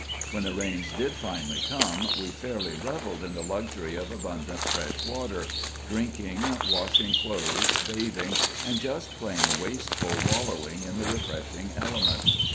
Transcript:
When the rains did finally come we fairly reveled in the luxury of abundant fresh water, drinking, washing clothes, bathing, and just plain wasteful wallowing in the refreshing element.